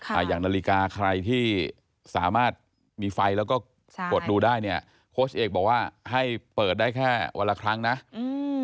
อย่างนาฬิกาใครที่สามารถมีไฟแล้วก็ใช่กดดูได้เนี้ยโค้ชเอกบอกว่าให้เปิดได้แค่วันละครั้งนะอืม